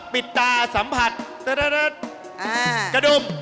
ปิดตาสัมผัก